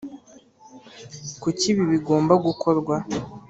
kuki ibi bigomba gukorwa?